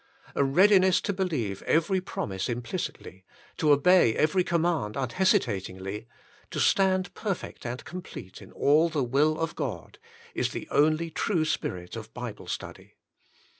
A readi ness to believe every promise implicitly, to obey every command unhesitatingly, to "stand per fect and complete in all the will of God," is the Meditation 75 only true spirit of Bible study.